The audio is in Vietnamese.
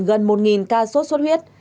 gần một ca sốt xuất huyết